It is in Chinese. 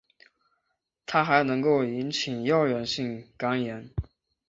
它还能够引起药源性肝炎。